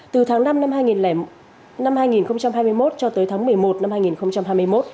từ tháng năm năm hai nghìn hai mươi một cho tới tháng một mươi một năm hai nghìn hai mươi một